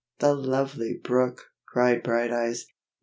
the lovely brook!" cried Brighteyes.